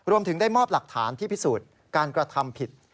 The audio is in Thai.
รวมถึงได้มอบหลักฐานที่พิสูจน์การกระทำผิด